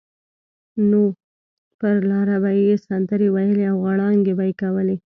نو پر لاره به یې سندرې ویلې او غړانګې به یې کولې.